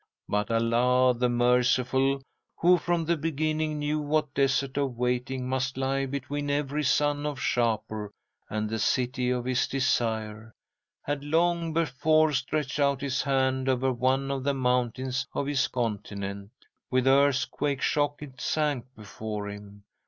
"'But Allah, the merciful, who from the beginning knew what Desert of Waiting must lie between every son of Shapur and the City of his Desire, had long before stretched out His hand over one of the mountains of His continent. With earthquake shock it sank before Him.